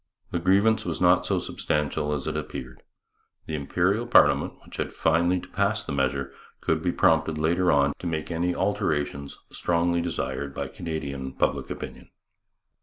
The grievance was not so substantial as it appeared. The Imperial parliament, which was finally to pass the measure, could be prompted later on to make any alterations strongly desired by Canadian public opinion.